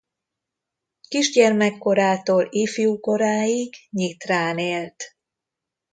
Kisgyermekkorától ifjúkoráig Nyitrán élt.